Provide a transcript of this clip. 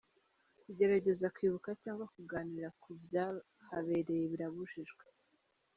Kugerageza kwibuka cyangwa kuganira ku byahabereye birabujijwe.